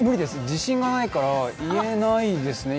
自信がないから言えないですね。